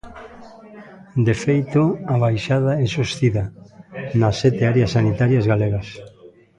De feito, a baixada é sostida nas sete áreas sanitarias galegas.